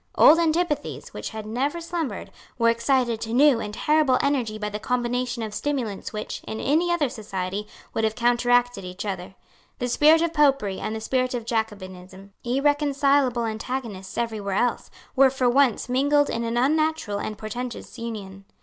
Old antipathies, which had never slumbered, were excited to new and terrible energy by the combination of stimulants which, in any other society, would have counteracted each other. The spirit of Popery and the spirit of Jacobinism, irreconcilable antagonists every where else, were for once mingled in an unnatural and portentous union.